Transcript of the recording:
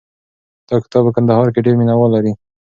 دا کتاب په کندهار کې ډېر مینه وال لري.